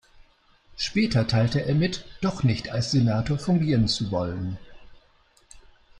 Später teilte er mit, doch nicht als Senator fungieren zu wollen.